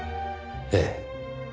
ええ。